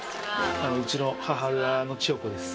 うちの母親の千代子です。